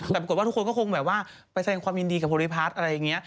แต่ปรากฏว่าทุกคนก็คงแบบว่าไปแสดงความยินดีกับภูริพัฒน์อะไรอย่างนี้